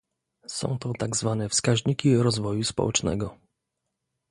Są to tak zwane wskaźniki rozwoju społecznego